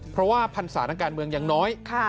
เพราะว่าพันธุ์สถานการณ์เมืองอย่างน้อย